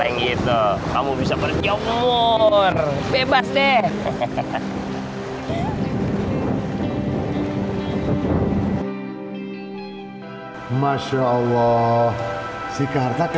yang gitu kamu bisa berjamur bebas deh hahaha